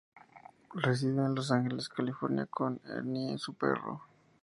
Reside en Los Ángeles, California con Ernie, su perro.